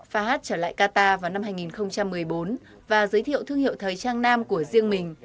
fahad trở lại qatar vào năm hai nghìn một mươi bốn và giới thiệu thương hiệu thời trang nam của riêng mình